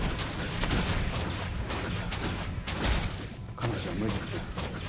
彼女は無実です